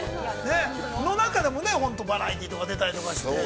の中でも、バラエティーとか、出たりして。